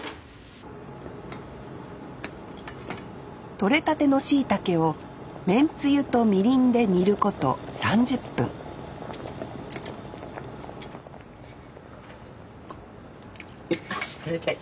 採れたてのしいたけをめんつゆとみりんで煮ること３０分上出来。